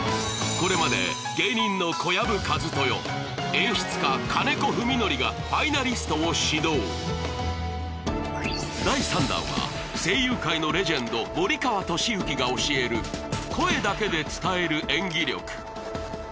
これまで芸人の小籔千豊演出家金子文紀がファイナリストを指導第３弾は声優界のレジェンド森川智之が教える声だけで伝える演技力